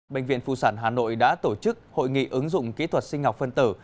bệnh viện phụ sản hà nội đã tổ chức hội nghị ứng dụng kỹ thuật sinh học phân tử